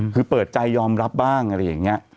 คือเปิดใจยอมรับบ้างอะไรอย่างนี้